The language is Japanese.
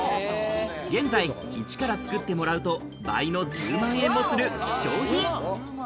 現在、イチから作ってもらうと、倍の１０万円もする希少品。